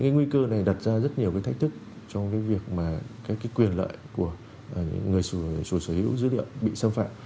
nguy cơ này đặt ra rất nhiều thách thức trong việc quyền lợi của người xử lý dữ liệu bị xâm phạm